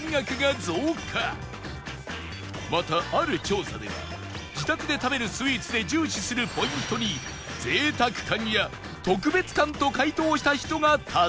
またある調査では自宅で食べるスイーツで重視するポイントに「贅沢感」や「特別感」と回答した人が多数